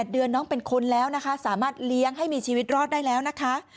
เดือนน้องเป็นคนแล้วนะคะสามารถเลี้ยงให้มีชีวิตรอดได้แล้วนะคะ